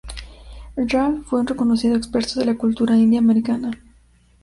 Ralf fue un reconocido experto de la cultura india americana.